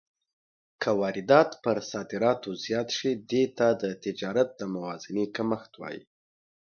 که واردات پر صادراتو زیات شي، دې ته د تجارت د موازنې کمښت وايي.